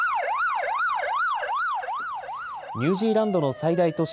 ニュージーランドの最大都市